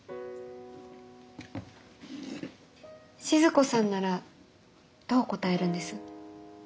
静子さんならどう答えるんです？